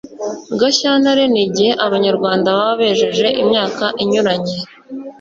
gashyantare ni igihe abanyarwanda baba bejeje imyaka inyuranye